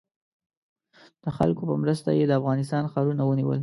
د خلکو په مرسته یې د افغانستان ښارونه ونیول.